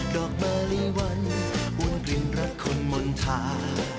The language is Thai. ดอกเบอร์ลีวันหุ้นกลิ่นรักคนมนตรา